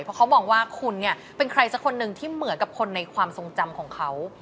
เพราะเขามองว่าคุณเนี่ยเป็นใครสักคนหนึ่งที่เหมือนกับคนในความทรงจำของเขา